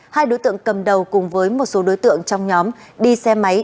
hai đối tượng cầm đầu cùng với một số đối tượng trong nhóm đi xe máy